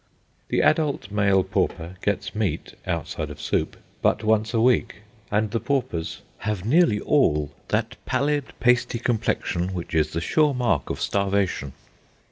The adult male pauper gets meat (outside of soup) but once a week, and the paupers "have nearly all that pallid, pasty complexion which is the sure mark of starvation."